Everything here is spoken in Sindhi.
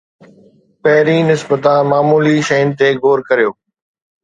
پهرين نسبتا معمولي شين تي غور ڪريو.